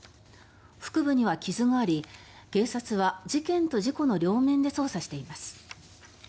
腹部には傷があり警察は事件と事故の両面で捜査しています。